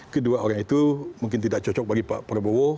kedua orang itu mungkin tidak cocok bagi pak prabowo